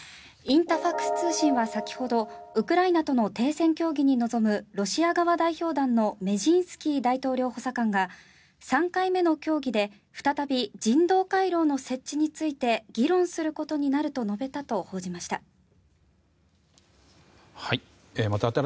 インタファクス通信は先ほどウクライナとの停戦協議に臨むロシア側代表団のメジンスキー大統領補佐官が３回目の協議で再び人道回廊の設置について議論することになると述べたと報じました。